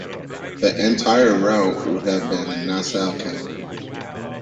The entire route would have been in Nassau County.